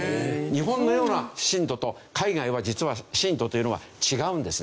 日本のような震度と海外は実は震度というのは違うんですね。